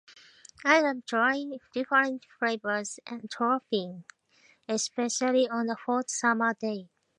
I love trying different flavors and toppings, especially on a hot summer day.